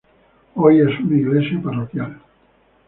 Hoy es una iglesia parroquial.